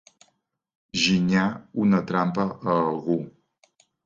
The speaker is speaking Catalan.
Ginyar una trampa a algú.